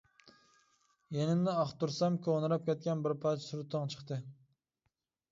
يېنىمنى ئاختۇرسام كونىراپ كەتكەن بىر پارچە سۈرىتىڭ چىقتى.